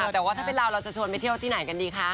แต่ว่าถ้าเป็นเราเราจะชวนไปเที่ยวที่ไหนกันดีคะ